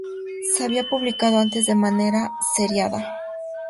Se había publicado antes de manera seriada.